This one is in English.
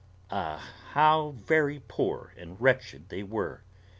Ah, how very poor and wretched they were!